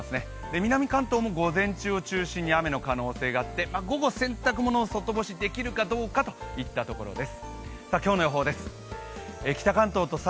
南関東も午前中を中心に雨の可能性があって午後、洗濯物、外干しできるかどうかといったところです。